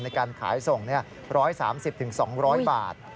ในการขายส่ง๑๓๐๒๐๐บาท